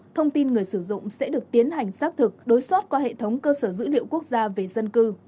thông tin người sử dụng sẽ được tiến hành xác thực đối soát qua hệ thống cơ sở dữ liệu quốc gia về dân cư